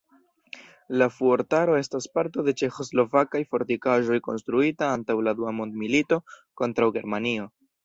La fuortaro estas parto de ĉeĥoslovakaj fortikaĵoj konstruita antaŭ la dua mondmilito kontraŭ Germanio.